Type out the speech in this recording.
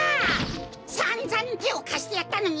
さんざんてをかしてやったのに！